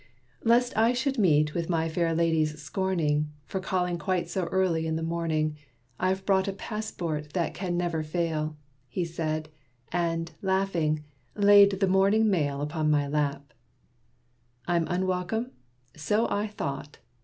"Lest I should meet with my fair lady's scorning, For calling quite so early in the morning, I've brought a passport that can never fail," He said, and, laughing, laid the morning mail Upon my lap. "I'm welcome? so I thought!